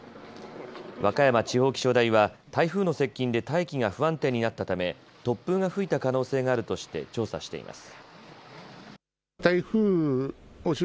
和歌山地方気象台は台風の接近で大気が不安定になったため突風が吹いた可能性があるとして調査しています。